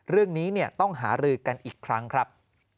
เรื่องนี้ต้องหารือกันอีกครั้งครับ